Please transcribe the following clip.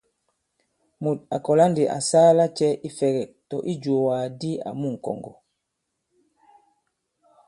Mùt à kɔ̀la ndī à saa lacɛ̄ ifɛ̄gɛ̂k- tɔ̀ ijùwàgàdi àmu ŋ̀kɔ̀ŋgɔ̀ ?